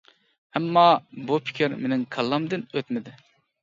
ئەمما، بۇ پىكىر مېنىڭ كاللامدىن ئۆتمىدى.